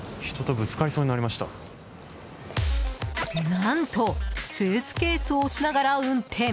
何とスーツケースを押しながら運転。